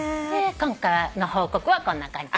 今回の報告はこんな感じ。